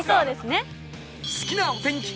好きなお天気